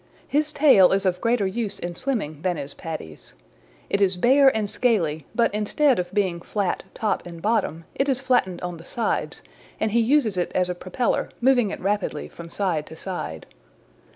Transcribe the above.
His tail is of greater use in swimming than is Paddy's. It is bare and scaly, but instead of being flat top and bottom it is flattened on the sides, and he uses it as a propeller, moving it rapidly from side to side.